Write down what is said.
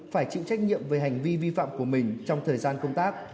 phải chịu trách nhiệm về hành vi vi phạm của mình trong thời gian công tác